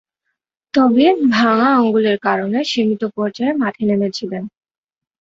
তবে, ভাঙ্গা আঙ্গুলের কারণে সীমিত পর্যায়ে মাঠে নেমেছিলেন।